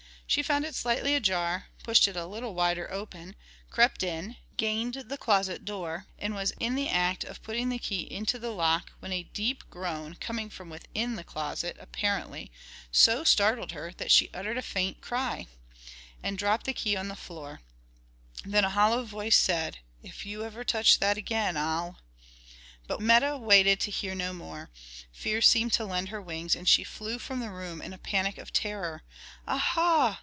She found it slightly ajar, pushed it a little wider open, crept in, gained the closet door, and was in the act of putting the key into the lock, when a deep groan, coming from within the closet, apparently, so startled her that she uttered a faint cry, and dropped the key on the floor; then a hollow voice said, "If you ever touch that again, I'll " But Meta waited to hear no more; fear seemed to lend her wings, and she flew from the room in a panic of terror. "Ah ha!